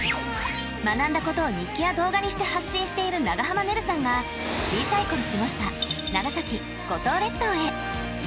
学んだことを日記や動画にして発信している長濱ねるさんが小さい頃過ごした長崎・五島列島へ。